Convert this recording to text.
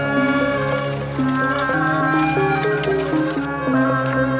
tidak ada apa apa